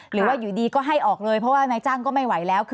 หรือว่าอยู่ดีก็ให้ออกเลยเพราะว่านายจ้างก็ไม่ไหวแล้ว